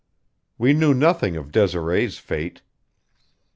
We knew nothing of Desiree's fate.